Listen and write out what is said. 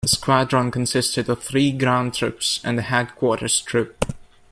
The squadron consisted of three ground troops, and a headquarters troop.